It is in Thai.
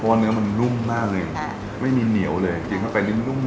เพราะว่าเนื้อมันนุ่มมากเลยไม่มีเหนียวเลยกินเข้าไปนุ่ม